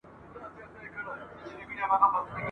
بلل کیږي چي مرغان زه یې پاچا یم ..